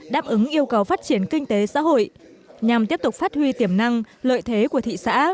đáp ứng yêu cầu phát triển kinh tế xã hội nhằm tiếp tục phát huy tiềm năng lợi thế của thị xã